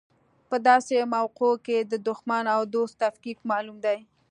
په داسې مواقعو کې د دوښمن او دوست تفکیک معلوم دی.